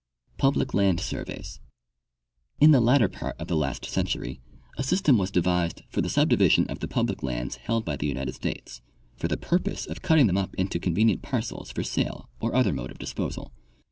Public Land Surveys. — In the latter part of the last century a system was devised for the subdivision of the public lands held by the United States, for the purpose of cutting them up into convenient parcels for sale or other mode of disposal.